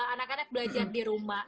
anak anak belajar di rumah